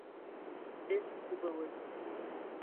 Эс күбеүе